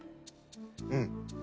うん。